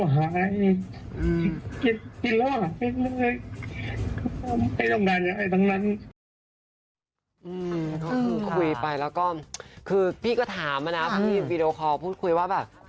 หายกินแล้วหาย